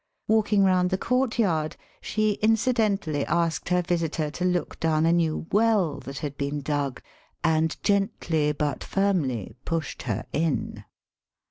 Walking round the courtyard she incidentally asked her visitor to look down a new well that had been dug, and gently but firmly pushed her in.